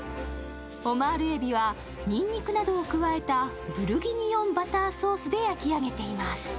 オマール海老は、にんにくなどを加えたブルギニオンバターソースで焼き上げています。